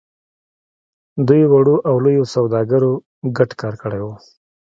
دوی وړو او لويو سوداګرو ګډ کار کړی و.